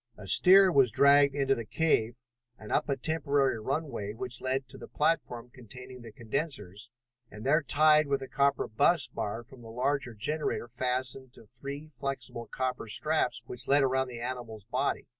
A steer was dragged into the cave and up a temporary runway which led to the platform containing the condensers, and there tied with the copper bus bar from the larger generator fastened to three flexible copper straps which led around the animal's body.